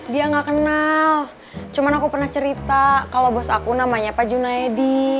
dia gak kenal cuma aku pernah cerita kalau bos aku namanya pak junaidi